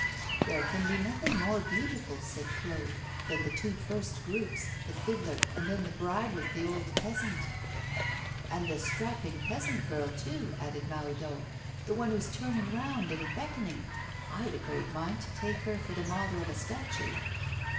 'There can be nothing more beautiful,' said Claude, 'than the two first groups, the fiddler, and then the bride with the old peasant.' 'And the strapping peasant girl, too,' added Mahoudeau; the one who is turning round and beckoning! I had a great mind to take her for the model of a statue.